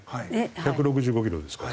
１６５キロですから。